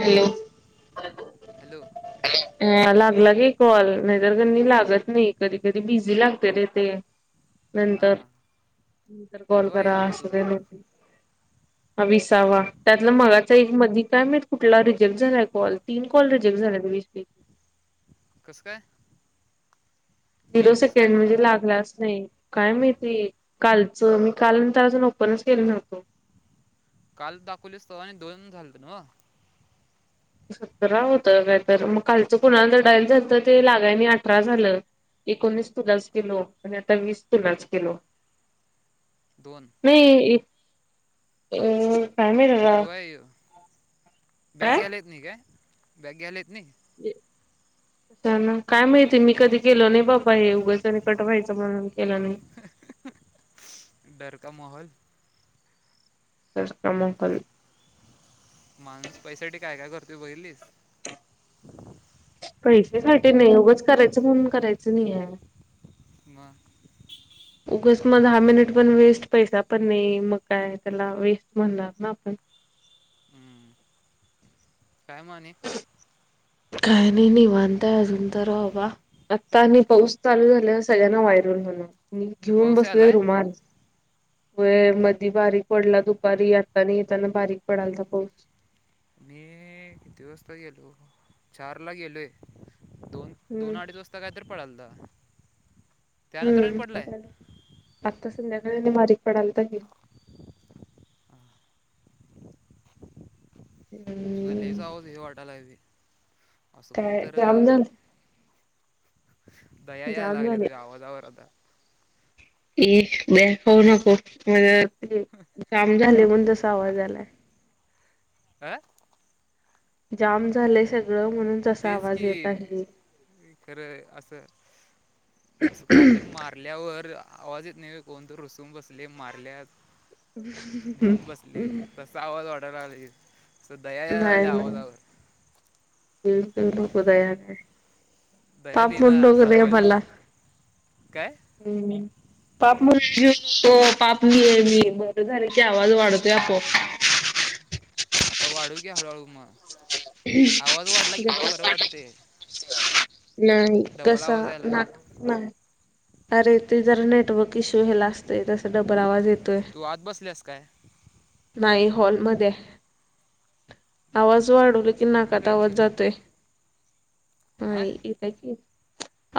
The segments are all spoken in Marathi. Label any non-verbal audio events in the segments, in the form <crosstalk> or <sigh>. हॅलो हॅलो अन लागला की हे कॉल नाहीतर कनी लागत नाही कधी कधी बिझी लागते रे ते. हां नंतर हां नंतर कॉल कितवा आहे करा आता अस तुझा नही. हा विसावा त्यातला मगाचा एक मधी कायम कुठला रिजेक्ट झालाय कॉल तीन कॉल रिजेक्ट झालायस पैकी कस काय. झिरो केलतीस काय सेकंड म्हणजे कुणाला लागलाच नाही काय माहिती. कालचं मी काल नंतर अजून ओपनच केलं नव्हतो. काल दाखवलीच त आणि दोन झालत नव. सतरा होतं काय तर मग कालचं कुणाला डायला झालत ते लागायने अठरा झालं. एकोणीस तुलाच किलो आणि आता वीस तुलाच केलो. दोन नाही अम. कितवाय हेव बॅग घ्यायला ऐत नाही काय बॅग घ्यायला ऐत नाही. <unintelligible> अ ना काय माहितीय मी कधी केलो नाही बाबा हे उघाच नाही कट हायचं म्हणून. केलं नाही. डर का माहौल. चषक्रमकल. माणूस पैसासाठी काय काय करतोय बघलीस. पैसेसाठी नाही उगंच. करायचं म्हणून करायचं नाही आहे. मग. उगच मग दहा मिनिट पण वेस्ट पैसा पण नाही मग काय त्याला वेस्ट म्हणणार ना आपण. हम्म. <unintelligible> काय मग आणि. काय नाही निवांत अजून तर बाबा आता आणि पाऊस चालू झालेवर सगळ्यांना वायर हो. णा मी घेऊन पाऊस बसलोय आलाय रुमाल. व मधी बारीक पडला दुपारी आतानी. त्यांना बारीक पडालचा पाऊस. हॅलो चारला गेलो आहे दोन दोन हम्म. अडीच वाजता कायतरी पडालता. त्यानंतर आणि हम्म. पडलाय संध्याकाळीने बारीक पडायलाता की तुझ लियच हम्म आवाजं हे, वाटायलायी. काय जाम झालं दया यायला लागल्या, तुझ्या आवाजावर आता. इ शिव्या खाऊ नको. म्ह जाम झाले म्हण तसा आवाज यालाय. काय, जाम झालंय सगळं. म्हणून तसा तेच आवाज कि येत आहे. खरं असं. असं काय तर मारल्यावर आवाज येत नाही, कोणत रुसून बसले मारल्यात, घेऊन बसले कसा आवाज वाटत. लाली स दया या लागल्या आवाजावर. येऊन देऊ नको दया काय, दया पाप म्हणून देना नको रे सांगाली मला, तुला काय हम्म पाप म्हणजे, पाप नाही आहे मी आहे, मी बर झाले की आवाज वाढवतोय आपोआप. आता वाढू घ्या हळूहळू मग, आवाज वाढला की तुला बर वाटते. नाही डबल कसा आवाज यायला लागला. ना नाही, अरे ते जरा नेटवर्क. किशो हे ला असतोय, त्याचा डबर आवाज येतोय. तू आत बसल्यास काय नाई हॉलमध्येध्ये. आवाज मग वाढवले की बहुतेक म्हणून नाकात रेंज आवाज येईना जातोय. हा येताकी.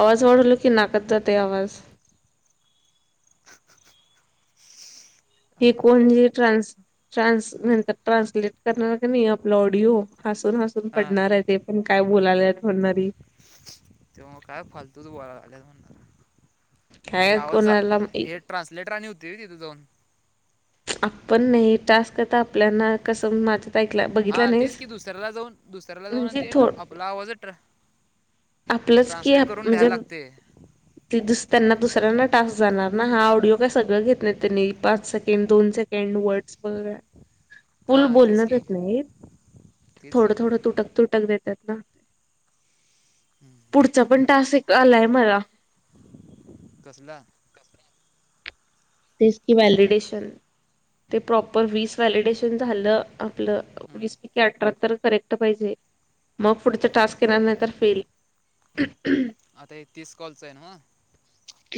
आवाज वाढवल की नाकत जाते आवाज. हे आवाज कोणजे ट्रानस ट्रानस नंतर ट्रान्सलेट करणार का नाही, आपला ऑडिओ. हसून हसून हा पडणार आहे, ते पण काय बोलायला म्हणार ही. तेव्हा काय मे काय आवज जा कोणाला माहि- हे ट्रान्सलेटर आणि होती र तिथे जाऊन? आपण नाही टास्कता आपल्याना कसं माझं. हा तेच की दुसऱ्याला जाऊन दुसऱ्याला जाऊन म्हणजे ते, थोड आपला आवाजत रा. आपलंच की आप म्हणजे. त्यांना दुसऱ्यांना टास्क जाणार ना, हा ऑडिओ काय सगळं घेत नाही त्यांनी पाच सेकंड दोन सेक. सेकड वर्डस, फुल हां तेच बोलणच की नाही, तेच थोडं की थोडं तुटक तुट. देतात ना, पुढचा पण टस् आलाय मला. कसलं! ते की व्हलिडेशन, ते प्रॉपर वीस व्हॅलिडेशन झालं. आपलं हम्म. वीस पैकी अठराहत्तर. करेक्ट पाहिजे मग पुढच टास्क येणार नाही, तर फेल. आता हे तीस कॉल चे हाय नव्ह,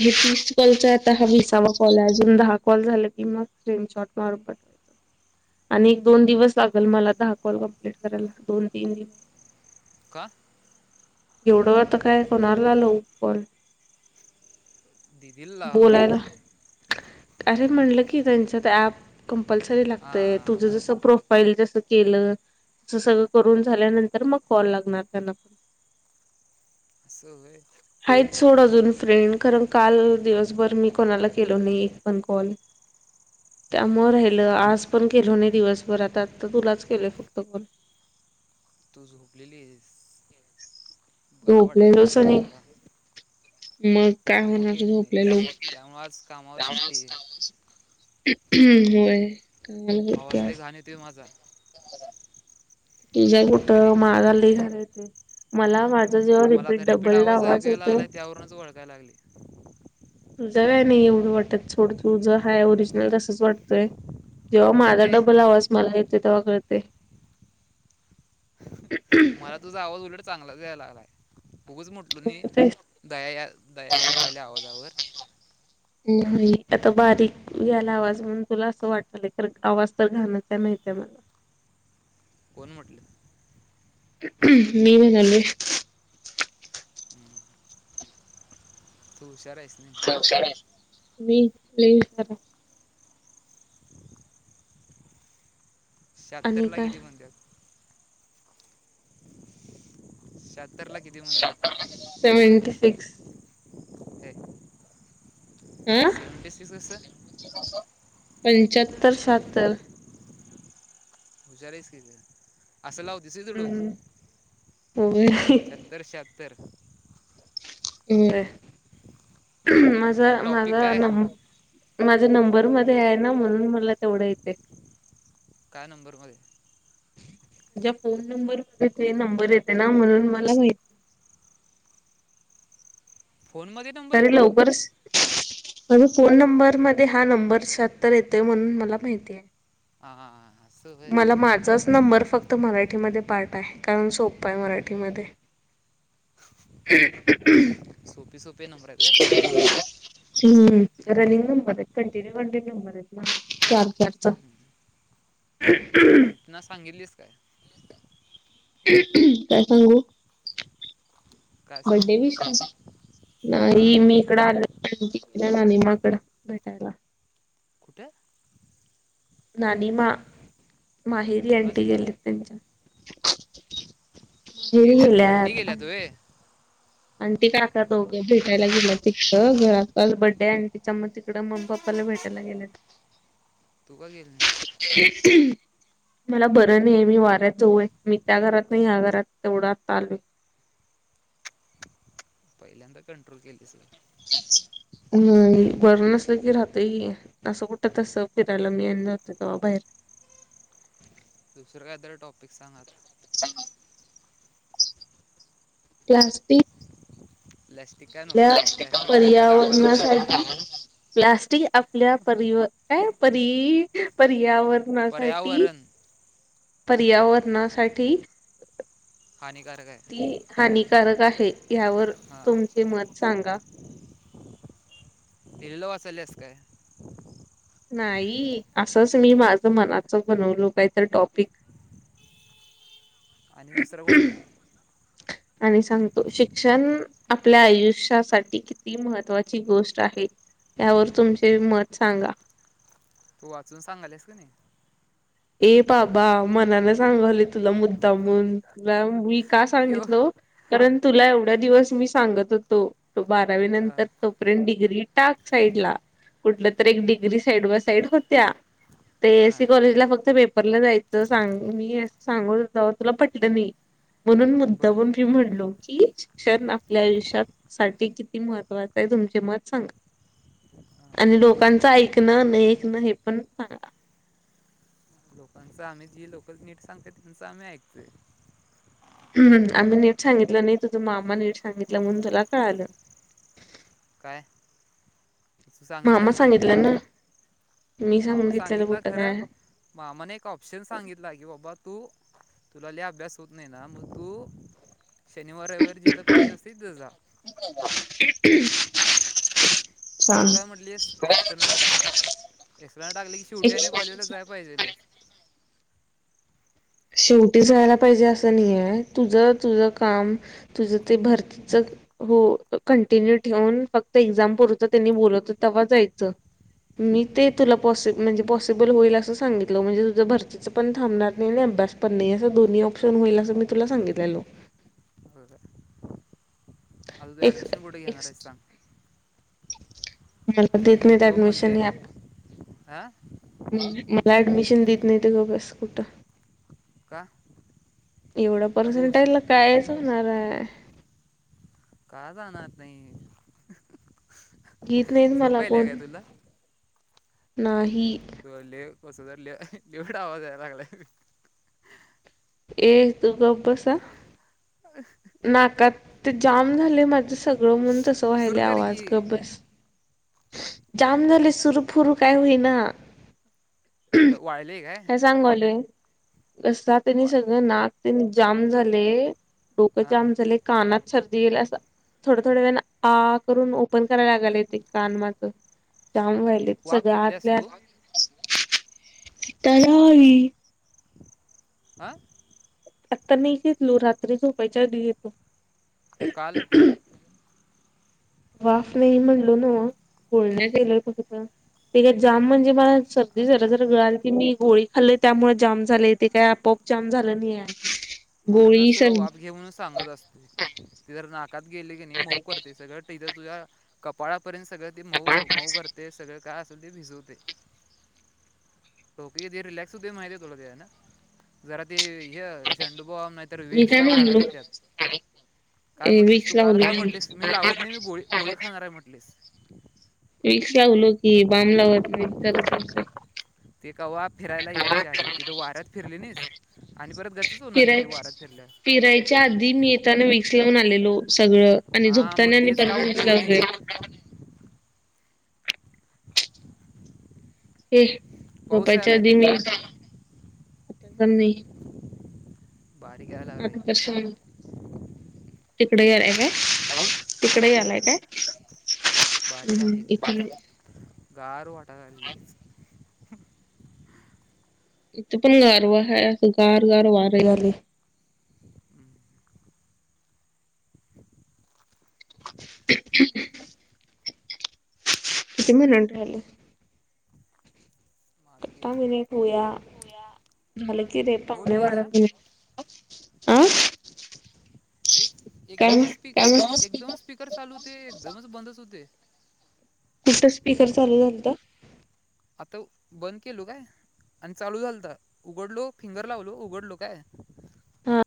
हे तीसकॉलच आता हा वीसावा कॉल अजून दहा कॉल झालं की मग स्क्रीनशॉट मारून <unintelligible> आणि एक दोन दिवस लागल मला दहा कोल कमप्लीट करायला, दोन तीन दिवस. का? एवढं आता काय कोणाला लऊ कॉल. दिदीला लाव. बोलायला. अरे म्हणलं की त्यांच ऍप कंपल्सरी लागतय तुझं हां जस प्रोफाईल केलं त सगळं करून झाल्यानंतर मग कॉल लागणार त्यांना पण अस होय? आहेत सोड अजून फ्रेंड कारण काल दिवसभर मी कोणाला केलो नई एक पण कॉल. हम्म. त्यामुळं राहील आज पण केलो नई दिवसभरातात. तर तुलाच केलोय फक्त कॉल. तू झोपलेली आहेस झोपलेलो ना सनी तुला मग काय त्यामुळं होणार गेली नाहीस झोपलेलो त्यामुळं आज कामावर सुट्टी आहे. <unintelligible> ह् होय! कामाला होते आवाज लई आज. घाण येतोय माजा. <unintelligible> तुझं कुठ, का नाही माझा लई घाण येतय. हम्म, मला आता रिपीट आवाज ऐकू यायलागलाय त्यावरूनच वळखायलगलाय. तुझ व्हय नी एवढं वाटत सोड, तूझ हाय ओरिजिनल तसच वाटतय. जेव्हा माझा हे डबल आवाज मला येतोय, तेव्हा कळतय. मला तुझा आवाज उलट चांगलाच याय लागलाय. उगच म्हटल न कळतंय? दया या दया या लागल्या आवाजावर. आता बारीक यायला आवाज म्हणून तुला असं वाटय तर आवाज तर घाणच आहे माहि त्या मला कोण म्हटल? <unintelligible> तू हुशार हाय. मी लई हुशार हाय. शहात्तर आणि ला काय किती म्हणत्यात? शहातरला किती म्हणत्यात सेव्हंटी सिक्स ते? अ सेवनटी फिकस असा पंच्याहत्तर, सत्तर हुशार हायिस की ग. आसं लावतीस होय तुझ डोक. हम्म होय. पंच्याहत्तर, शहात्तर हम् माझा काय टॉपिक माझा काय नं माझा बर मध्ये हाये ना, म्हणून मला तेवढं येतय. काय नंबर मध्ये? माझ्या फोन नंबर मध्ये, ते नंबर येते ना म्हणून मला माहिती. <inaudible> फोनमध्ये नंबर तरी येते लवकरच माझ्या फोन नंबर मध्ये, हा नंबर शात्तर येतोय म्हणून मला माहिती हाय. हां हां असं होय मला माझाच नंबर फक्त त मराठीमध्ये पाठ हाय, कारण सोपं हाय मराठीमध्ये. ह <inaudible> सोफी सफी नंबरत ग ह रनिंग न मर कंटिन्यू कंटिन्यू मरेत ना चार चारचा <inaudible> आणि तिना सांगितलीस काय. काय सांगू. काय सांगू बडडे विष म्हणते हां नाही, मी इकड आल. ला नि माकड भेटायला, काय नानी मा माहिरी अंटी कुणाची तू गेली त्यांच्या. <unintelligible> गेल्यात आंटी गेल्यात वय. आणि ती काका दोघे भेटायला गेलं, तिकं घरातल बड्डे आणि तिच्या मग तिकडं मम्मपप्पा <unintelligible> भेटायला गेलंत. तू का गेल नाहीस? <unintelligible> मला बरं नाही मी वाऱ्यात जाऊय, मी त्या घरात नाही, या्या घरात तेवढा चालू <unintelligible> पहिल्यांदा कंट्रोल केली सग. ह बरं नसलं की राहत असं, कुठं तस फिरायला मीन जात तेव्हा बाहेर. <unintelligible> दुसरं काहीतरी टॉपिक सांगात. क्लास्पिक. प्लॅस्टिक काय नको आपल्या प्लॅस्टिक सगळ्या गावाला माहिती आहे पर्यावरणासाठी आता प्लास्टिक. आपल्या परि पर पर्यावरणासाठी. पर्यावरण पर्यावरणासाठी. हानिकारक आहे. कारक आहे यावर हां तुमचे मत सांगा. हॅलोवा असलेस काय. नाही असंच मी माझं मनाच बनवलो काहीत टॉपिक <unintelligible> आणि दुसरा कुठला. आणि सांगतो शिक्षण आपल्या आयुष्यासाठी किती महत्त्वाची गोष्ट आहे. त्यावर तुमचे मत सांगा. तू वाचून सांगालस का नाही. ए बाबा मनान सांगले, तुला मुद्दामून तुला वीक. का यो सांगितलं कारण. तुला एवढा दिवस मी सांगत होतो, बारावी हां नंतर तोपर्यंत डिग्री टाक साइड ला. कुठलं तर एक डिग्री साईड बाय साईड होत्या, हां एससी कॉलेजला फक्त पेपरला जायचं सांग मी अस सांगून तुला पटलं नाही. म्हणून मुद्दामून बरं मी म्हणलो, की शिक्षण आपल्या आयुष्यासाठीठी किती महत्वाचं आहे. तुमचे मत सांगा. आणि लोकांचं ऐकणं नाही, ऐकणं हे पण सांगा. पच आम्ही जी लोकल नीट सांगत, त्यांच आम्ही ऐकतोय. हम् आम्ही नीट सांगितलं नाही, तुझं मामा नीट सांगितलं म्हणून तुला कळालं. काय तू मामा सांगितलेलंच ऐकलू सांगितलं ना. मी मामा सांगितलेलं सांगितला कुठं खरं काय मामाने एक ऑप्शन सांगितला की बाबा तू तुला ल अभ्यास होत नाही, ना मग तू शनिवार रविवारी जिथं कॉलेज असते तिथं जा. ां <unintelligible> एसट टाकले की शेवटी, आणि कॉलेजला जाय पाहिजे लच. शेवटी जायला पाहिजे असं नाहीय, तुझ तुझ काम तुझं ते भरतीच हो कंटिन्यू ठेवून फक्त एक्झाम पुरत त्यांनी बोलवत तेव्हा जायचं. मी ते तुला पॉस म्हणजे पॉसिबल होईल, असं सांगितलं म्हणजे तुझं भरतीचं पण थांबणार नाही. बस् पण नाही असं दोन्ही ऑप्शन होईल असं मी तुला सांगितलेलो अ एक अडमिशन कठ घेणार एक्स आहेस सांग मला देत नाहीत अडमिशन यात आ मला ऍडमिशन देत नाही ते ग बस कुठं का एवढं अ तू हुश पर्सेंटाईला कायच होणार आहे का जाणार नाही घीत नाहीत मला झोपायला कोण काय तुला नाही तू लिह कसो तर लि एवडा आवाजयला लागला ए तू गप् बसअ नाकात ते जाम झाले माझं सगळं म्हून तस वाहिल सुरू कर आवाज की गबस जाम झालयं, सुर फुरू काय होईना? वायलय काय? घसा तेनि वा सगळ नाक तेन जाम झालय, डोकं हां जाम झालय, कानात सर्दीईल असं. थोड थोड वेळानं आ करून, ओपन करायला लागालय ते कान माझं. जॅम व्हायलय वाफ सगळ् घेतल्यास आतल्या तू आत तलावी आं? आत्ता मी एक घेतलो. रात्री झोपयच्या आधी घेतो. काल? वाफ नाही म्हणलो न्हव, गुळण्या केलोय फक्त. ते काय जाम म्हणजे मला सर्दी जरा अगं जरा गळाल की मी गोळी खालोय त्यामुळे जाम झाले. ते काय आपआप जाम झालं नाहीय. म्हणूनच तुला वाफ घे म्हणून सांगत असतोय. ते जर नाकात गेल कणी मऊ करते सगळं, तिथ तुझ्या कपाळापर्यंत सगळ ते मऊ मऊ करते सगळ काय अस ते भिजवते. डोक किती रिलॅक्स हूतय माहिती आहे तुला तेज्यान. जरा ते ह झंडूबाम, नाही तर मी विक्स काय तेन म्हणलो घालायच त्यात. काय ए म्हटलीस तू विक्स काल काय लावलोय म्हटलीस, मी लावत नाही मी गोळी गोळी खाणार आहे म्हटलीस. विक्स लावलो की, बामलावत नई चरचरतय. ते कवा फिरायला यायच्या आधी. तिथं वाऱ्यात फिरली नाहीस? आणि परत गचच होणार कि ते वाऱ्यात फिरल्या च्या आधी मी येतान विक्स लावून आलेलो सगळ आणि हां झोपताना मग आणि तेच का परत विक्स उपयोग लावलोय. नाही ये, पाऊस झोपायच्या यायला आधी काय मी <unintelligible> पण नई. बारीक यायला लागला आता इकडं <unintelligible> तिकडे गेलाय हां काय? तिकड इकडे गेलाय यायला काय? बारीक हम्म आहे हम्म एकदम इकड. गार वाटाल लगेच. इथ पण गारवा हाय, अस गार गार वार यालय. <inaudible> हम हम <inaudible> किती मिनिट राहिलं? माझं कितना गेलं कुठं मिनिट होया, झालं कि रे बोल पावणे बघूया बारा जरा झाले. आं. अरे एकदमच स्पीकर, एकदमच स्पीकर चालू होतय, एकदमच बंदच होतय. नुसतच स्पीकर चालू झालत. आता बंद केलो काय? आणि चालू झालता उघडलो, फिंगर लावलो उघडलो काय? हा